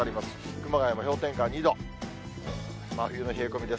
熊谷も氷点下２度、真冬の冷え込みです。